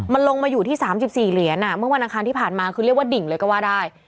มันลงมาอยู่ที่๓๔เหรียญเมื่อวันอังคารที่ผ่านมาคือเรียกว่าดิ่งเลยก็ว่าได้